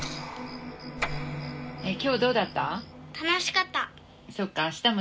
今日どうだった？